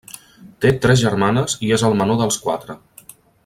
Té tres germanes i és el menor dels quatre.